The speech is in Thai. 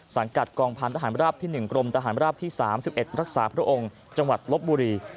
สังกัดกองพันธหารราบที่๑กรมทหารราบที่๓๑รักษาพระองค์จังหวัดลบบุรี